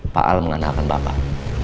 pak al mengandalkan bapak